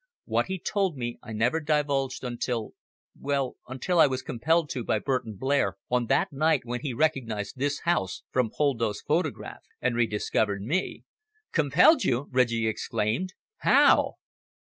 What he told me I never divulged until well, until I was compelled to by Burton Blair on that night when he recognised this house from Poldo's photograph, and rediscovered me." "Compelled you!" Reggie exclaimed. "How?"